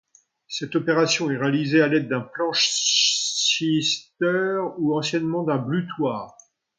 Cette opération est réalisée à l'aide d'un plansichter, ou anciennement d'un blutoir.